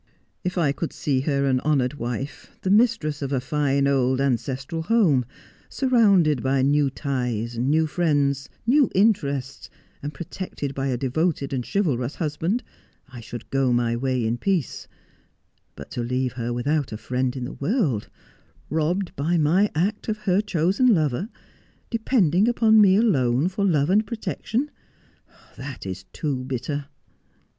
' If I could see her an honoured wife, the mistress of a fine old ancestral home, surrounded by new ties, new friends, new interests, and protected by a devoted and chivalrous hus band, I should go my way in peace ; but to leave her without a friend in the world, robbed by my act of her chosen lover, de pending upon me alone for love and protection, that is too bitter.'